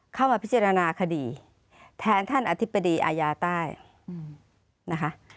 เข้ามาพิจารณาคดีแทนท่านอธิบดีอาญาใต้นะคะ